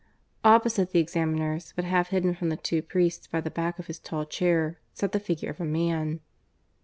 Opposite the examiners, but half hidden from the two priests by the back of his tall chair, sat the figure of a man.